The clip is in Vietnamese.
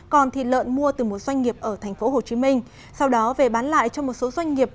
còn thịt lợn mua từ một doanh nghiệp ở tp hcm sau đó về bán lại cho một số doanh nghiệp